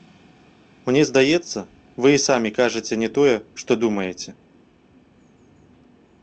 Мне здаецца, вы і самі кажаце не тое, што думаеце.